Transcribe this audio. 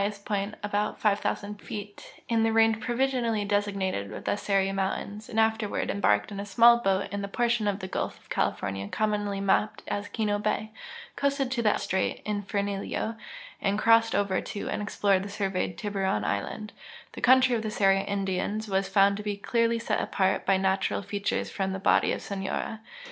st point (about 5,000 feet) in the range provisionally desig nated the Seri mountains, and afterward embarked in a small boat in that ])ortion of the gulf of California commonly map])ed as Kino bay, coasted to the strait El Infiernillo, and crossed over to an<l ex|)l(^red and surveyed Tiburon island, ddie country of the Seri Indians was found to be clearly set apart by natural features from the body of Sonora.